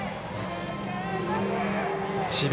智弁